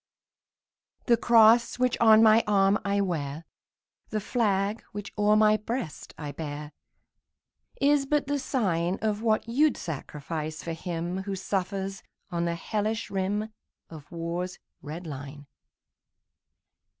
The cross which on my arm I wear, The flag which o'er my breast I bear, Is but the sign Of what you 'd sacrifice for him Who suffers on the hellish rim Of war's red line.